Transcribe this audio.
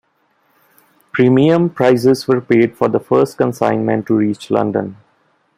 Premium prices were paid for the first consignment to reach London.